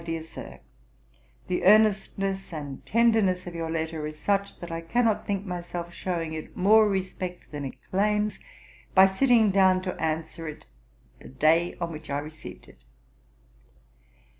'DEAR SIR, 'The earnestness and tenderness of your letter is such, that I cannot think myself shewing it more respect than it claims by sitting down to answer it the day on which I received it.